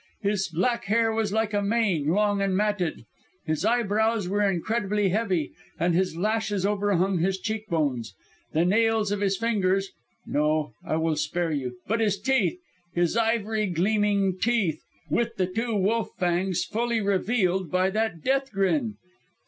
His black hair was like a mane, long and matted, his eyebrows were incredibly heavy and his lashes overhung his cheekbones. The nails of his fingers ... no! I will spare you! But his teeth, his ivory gleaming teeth with the two wolf fangs fully revealed by that death grin!...